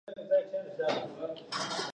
تعلیم د کورنۍ ترمنځ باور رامنځته کوي.